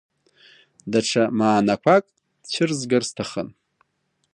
Даҽа маанақәак цәырзгар сҭахын.